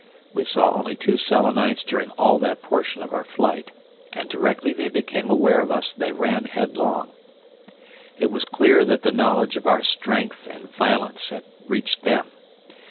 We saw only two Selenites during all that portion of our flight, and directly they became aware of us they ran headlong. It was clear that the knowledge of our strength and violence had reached them.